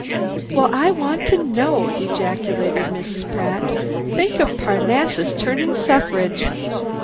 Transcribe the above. "Well, I want to know!" ejaculated Mrs. Pratt. "Think of Parnassus turned suffrage!